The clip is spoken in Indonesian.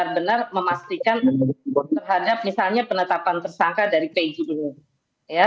harus benar benar memastikan terhadap misalnya penetapan tersangka dari pej dulu ya